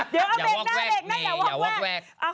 เดี๋ยวเอาเป็นหน้าเล็กหน้าเดี๋ยววอกแวก